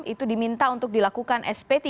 itu diminta untuk dilakukan sp tiga